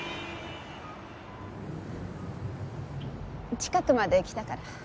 近くまで来たから。